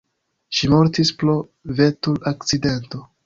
Ŝi mortis pro vetur-akcidento.